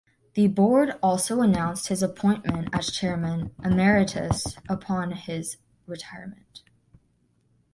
The board also announced his appointment as chairman "emeritus" upon his retirement.